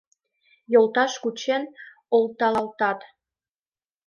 Йолташ кучен олталалтат